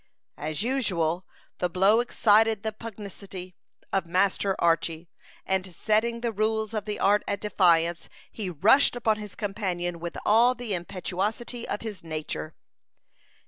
As usual, the blow excited the pugnacity of Master Archy; and setting the rules of the art at defiance, he rushed upon his companion with all the impetuosity of his nature.